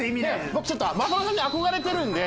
僕ちょっと雅紀さんに憧れてるんで。